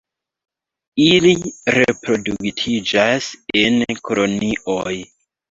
Ili reproduktiĝas en kolonioj.